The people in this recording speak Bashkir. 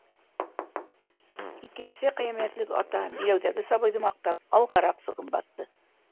Икенсе ҡиәмәтлек ата, биләүҙәге сабыйҙы маҡтап, алғараҡ сығып баҫты.